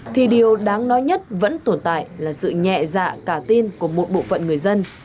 thì điều đáng nói nhất vẫn tồn tại là sự nhẹ dạ cả tin của một bộ phận người dân